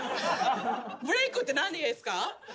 ブレークって何ですか？